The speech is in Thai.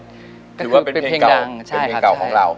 ถือว่าเป็นเพลงเก่าของเรา